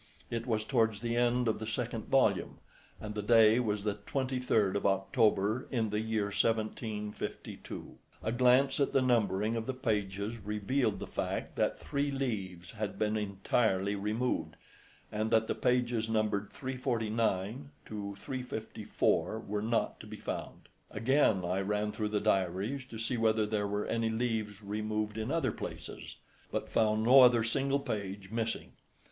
It was towards the end of the second volume, and the day was the 23d of October in the year 1752. A glance at the numbering of the pages revealed the fact that three leaves had been entirely removed, and that the pages numbered 349 to 354 were not to be found. Again I ran through the diaries to see whether there were any leaves removed in other places, but found no other single page missing.